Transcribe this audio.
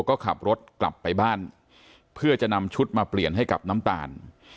ก็ขับรถกลับไปบ้านเพื่อจะนำชุดมาเปลี่ยนให้กับน้ำตาล